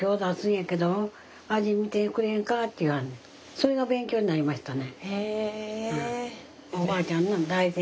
それが勉強になりましたね。